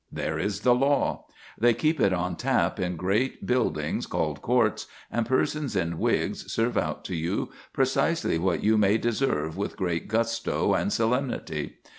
There is the law. They keep it on tap in great buildings called courts, and persons in wigs serve out to you precisely what you may deserve with great gusto and solemnity.